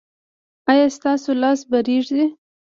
ایا ستاسو لاس به ریږدي؟